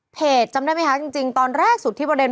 จำได้ไหมคะจริงตอนแรกสุดที่ประเด็น